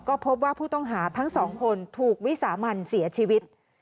ก็พบว่าผู้ต้องหาทั้งสองคนถูกวิสามันเสียชีวิต